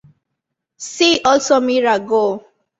See also mirror go.